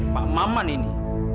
pak maman ini